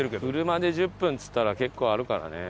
車で１０分っつったら結構あるからね。